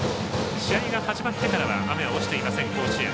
試合が始まってからは雨が落ちていません、甲子園。